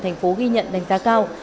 thành phố ghi nhận đánh giá cao